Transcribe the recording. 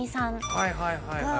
はいはいはいはい。